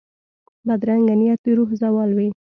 بدرنګه نیت د روح زوال وي